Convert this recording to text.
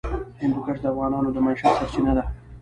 هندوکش د افغانانو د معیشت سرچینه ده.